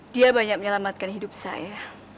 dia banyak menyelamatkan hidup saya